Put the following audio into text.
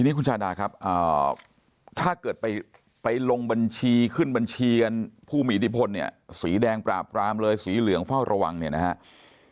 นี่คุณชาดาครับถ้าเกิดไปลงบัญชีขึ้นบัญชีผู้มีอิทธิพลเนี่ยสีแดงปราบรามเลยสีเหลืองเฝ้าระวังเนี่ยนะครับ